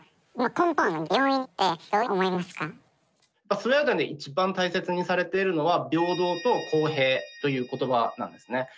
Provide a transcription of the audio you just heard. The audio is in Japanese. スウェーデンで一番大切にされているのは平等と公平という言葉なんですね。